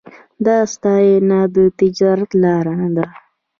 دا ستاینه د نجات لار نه ده.